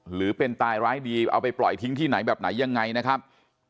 หรือเป็นตายร้ายดีเอาไปปล่อยทิ้งที่ไหนแบบไหนยังไงนะครับ